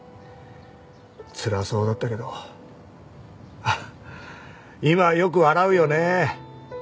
つらそうだったけど今はよく笑うよね。